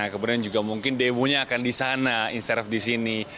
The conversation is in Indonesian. kemudian juga mungkin demo nya akan di sana instead of di sini